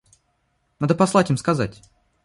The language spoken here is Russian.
Надо послать им сказать.